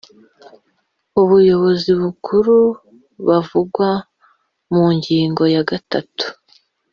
ubuyobozi bukuru bavugwa mu ngingo ya gatatu